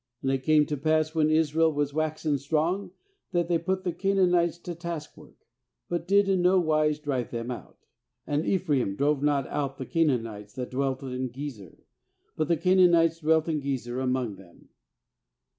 28And it came to pass, when Israel was waxen strong, that they put the Canaanites to task work, but did in no wise drive them out. 29And Ephraim drove not out the Canaanites that dwelt in Gezer; but the Canaanites dwelt in Gezer among them.